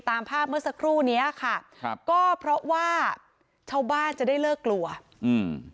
ตามภาพเมื่อสักครู่เนี้ยค่ะครับก็เพราะว่าชาวบ้านจะได้เลิกกลัวอืม